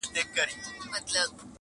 ته خبر یې د تودې خوني له خونده؟-!